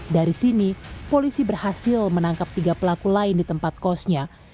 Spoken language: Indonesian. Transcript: dari sini polisi berhasil menangkap tiga pelaku lain di tempat kosnya